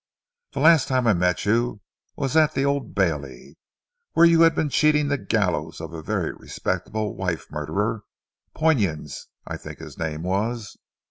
"The last time I met you was at the Old Bailey, when you had been cheating the gallows of a very respectable wife murderer. Poynings, I think his name was."